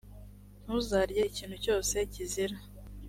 ntuzarye ikintu cyose kizira.